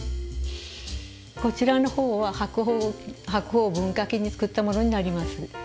こちらの方は白鳳文化期に作ったものになります。